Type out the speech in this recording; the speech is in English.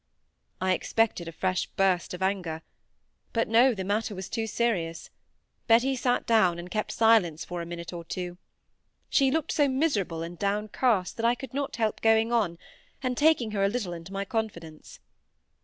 I expected a fresh burst of anger. But no; the matter was too serious. Betty sate down, and kept silence for a minute or two. She looked so miserable and downcast, that I could not help going on, and taking her a little into my confidence.